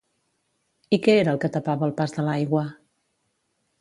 I què era el que tapava el pas de l'aigua?